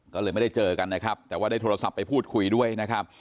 ก็เลยไม่ได้เจอกันนะครับแต่ว่าได้โทรศัพท์ไปพูดคุยด้วยนะครับ